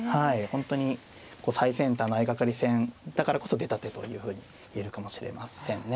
本当に最先端の相掛かり戦だからこそ出た手というふうに言えるかもしれませんね。